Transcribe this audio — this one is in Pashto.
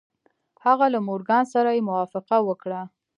هغه له مورګان سره يې موافقه وکړه.